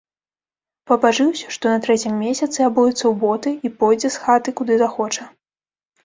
Пабажыўся, што на трэцім месяцы абуецца ў боты і пойдзе з хаты, куды захоча.